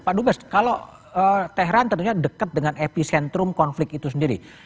pak dubes kalau tehran tentunya dekat dengan epicentrum konflik itu sendiri